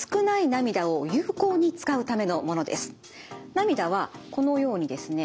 涙はこのようにですね